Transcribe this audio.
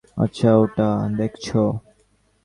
আচ্ছা, ওটা দেখছো?